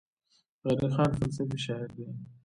غني خان فلسفي شاعر دی.